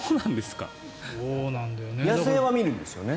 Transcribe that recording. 野生は見るんですよね。